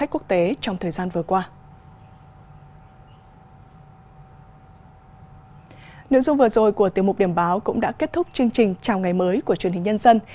cuối cùng tiêu mục điểm báo cũng đã kết thúc chương trình chào ngày mới của truyền hình nhân dân